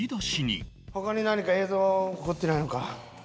他に何か映像残ってないのか？